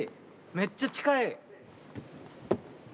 めっちゃ近い！